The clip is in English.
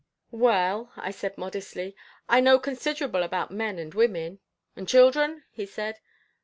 "Well," I said modestly, "I know considerable about men and women." "And children?" he said.